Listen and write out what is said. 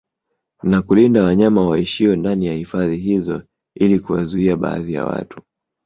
Na kulinda wanyama waishio ndani ya hifadhi hizo ili kuwazuia baadhi ya watu